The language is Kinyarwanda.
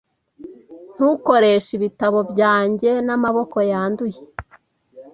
Ntukoreshe ibitabo byanjye n'amaboko yanduye.